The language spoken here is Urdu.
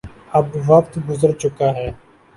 اب وقت گزر چکا ہے۔